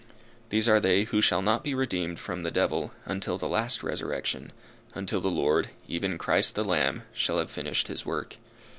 These are they who shall not be redeemed from the devil, until the last resurrection, until the Lord, even Christ the Lamb, shall have finished his work.